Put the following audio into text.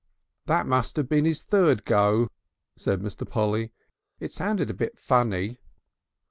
"That must have been his third go," said Mr. Polly. "It sounded a bit funny."